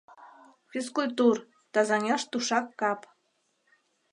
Физкультур Тазаҥеш тушак кап.